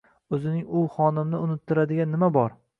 O'zining u xonimni unuttiradigan nima bor?